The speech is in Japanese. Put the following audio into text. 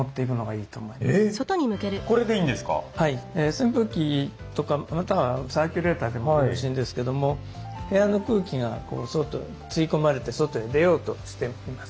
扇風機とかまたはサーキュレーターでもよろしいんですけども部屋の空気が吸い込まれて外へ出ようとしていますね。